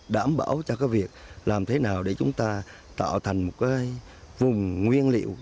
đảm bảo cho cái việc làm thế nào để chúng ta tạo thành một cái vùng nguyên liệu